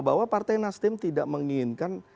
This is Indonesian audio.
bahwa partai nas tim tidak menginginkan